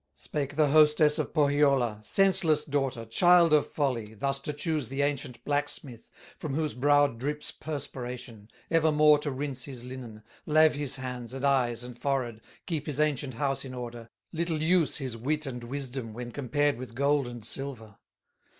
Spake the hostess of Pohyola: "Senseless daughter, child of folly, Thus to choose the ancient blacksmith, From whose brow drips perspiration, Evermore to rinse his linen, Lave his hands, and eyes, and forehead, Keep his ancient house in order; Little use his wit and wisdom When compared with gold and silver."